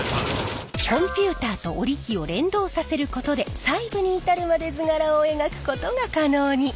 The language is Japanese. コンピューターと織り機を連動させることで細部に至るまで図柄を描くことが可能に。